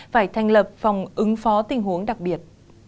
phải thành lập phòng ứng phó tình huống đặc biệt